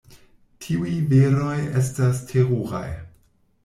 Tiuj veroj estas teruraj!